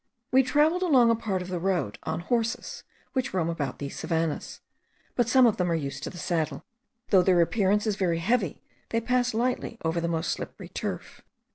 We travelled along a part of the road on horses, which roam about these savannahs; but some of them are used to the saddle. Though their appearance is very heavy, they pass lightly over the most slippery turf.